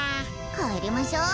かえりましょう。